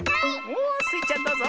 おおスイちゃんどうぞ！